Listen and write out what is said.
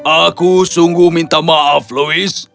aku sungguh minta maaf louis